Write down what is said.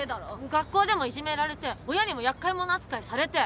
学校でもいじめられて親にも厄介者扱いされて。